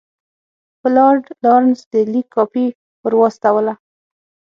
د لارډ لارنس د لیک کاپي ورواستوله.